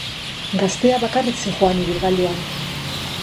Gaztea bakarrik zihoan ibilgailuan.